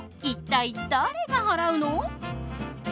一体誰が払うの？